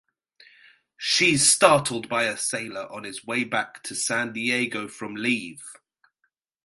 She's startled by a sailor on his way back to San Diego from leave.